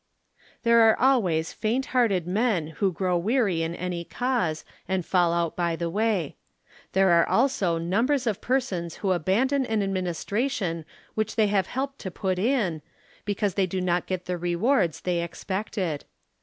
There are always faint hearted men, who grow weary in any cause, and fall out by the way; there are also num bers of persons who abandon an administration which they have helped to put in, because they do not get the rewards they expected.